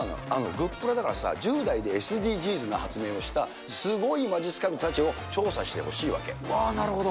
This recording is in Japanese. グップラだからさ、１０代でＳＤＧｓな発明をしたすごいまじっすかティーンたちを調わー、なるほど。